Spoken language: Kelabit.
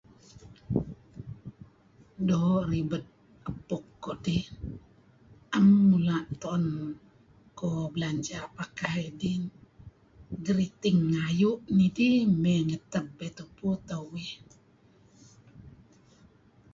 Do' rebed epuk kudih am mula tu'en ku' belanja pakai dih geriting ayu nidih me' ngeteb tupu teh uih